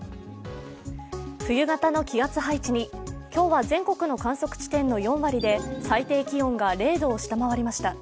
冬型の気圧配置に、今日は全国の観測地点の４割で最低気温が０度を下回りました。